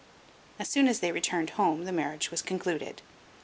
As soon as they returned home, the marriage was concluded.